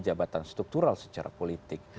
kekuatan struktural secara politik